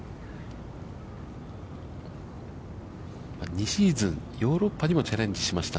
２シーズン、ヨーロッパにもチャレンジしました